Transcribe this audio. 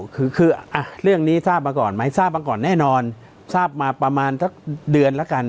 คือคือเรื่องนี้ทราบมาก่อนไหมทราบมาก่อนแน่นอนทราบมาประมาณสักเดือนแล้วกัน